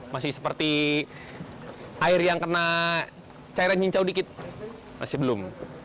masih seperti air yang kena cairan cincau dikit masih belum